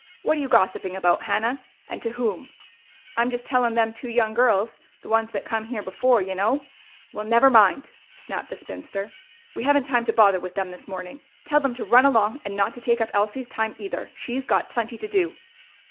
"What are you gossiping about, Hannah? And to whom?" "I'm just tellin' them two young girls the ones that come here before, you know " "Well, never mind!" snapped the spinster. "We haven't time to bother with them this morning. Tell them to run along and not to take up Elsie's time, either. She's got plenty to do."